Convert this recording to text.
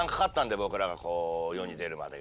僕らが世に出るまでが。